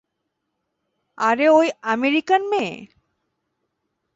আরে ওই আমেরিকান মেয়ে?